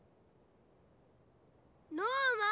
ノーマン！